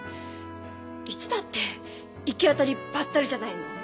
いつだって行き当たりばったりじゃないの。